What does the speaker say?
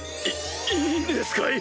いいいんですかい？